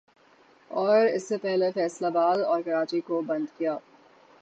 اور اس سے پہلے فیصل آباد اور کراچی کو بند کیا